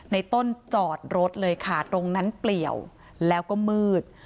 ในต้นจอดรถเลยค่ะตรงนั้นเปลี่ยวแล้วก็มืด